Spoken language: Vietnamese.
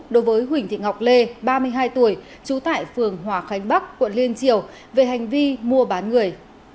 đối với huỳnh thị ngọc lê ba mươi hai tuổi trú tại phường hòa khánh bắc quận liên triều về hành vi mua bán người